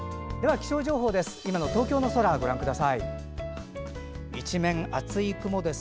気象情報です。